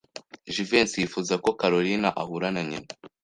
Jivency yifuza ko Kalorina ahura na nyina.